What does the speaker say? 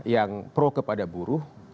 yang pro kepada buruh